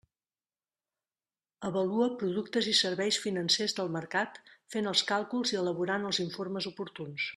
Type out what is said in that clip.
Avalua productes i serveis financers del mercat, fent els càlculs i elaborant els informes oportuns.